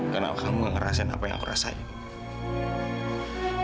karena kamu ngerasain apa yang aku rasain